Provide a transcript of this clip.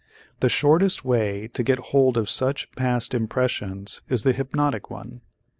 The shortest way to get hold of such past impressions is the hypnotic one.